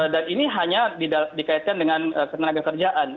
dan ini hanya dikaitkan dengan tenaga kerjaan